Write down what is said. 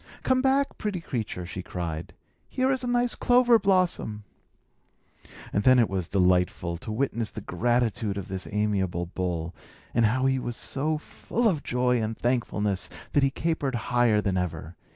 "Come back, pretty creature!" she cried. "Here is a nice clover blossom." And then it was delightful to witness the gratitude of this amiable bull, and how he was so full of joy and thankfulness that he capered higher than ever.